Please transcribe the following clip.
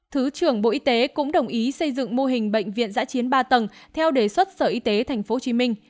thứ trưởng bộ y tế cũng đồng ý xây dựng mô hình bệnh viện giã chiến ba tầng theo đề xuất sở y tế tp hcm